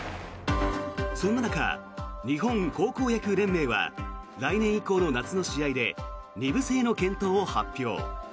そんな中、日本高校野球連盟は来年以降の夏の試合で２部制の検討を発表。